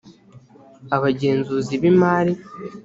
abagenzuzi b’imari